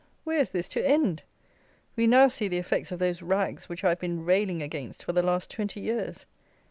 Where is this to end? We now see the effects of those rags which I have been railing against for the last twenty years.